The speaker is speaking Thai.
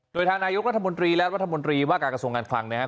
โดยฐานายุควัฒนบนตรีและวัฒนบนตรีว่าการกระทรวงการคลังนะครับ